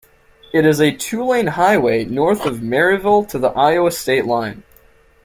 It is a two-lane highway north of Maryville to the Iowa state line.